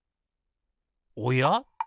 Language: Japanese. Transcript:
おや？